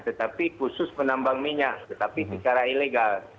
tetapi khusus penambang minyak tetapi secara ilegal